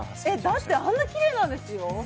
だって、あんなにきれいなんですよ。